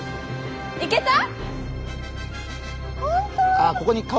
いけた？